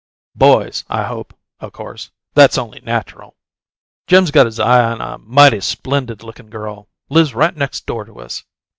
Boys, I hope, o' course; that's only natural. Jim's got his eye on a mighty splendid lookin' girl; lives right next door to us.